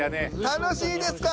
楽しいですか？